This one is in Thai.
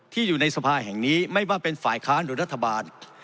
อยู่ในสภาแห่งนี้ไม่ว่าเป็นฝ่ายค้านหรือรัฐบาล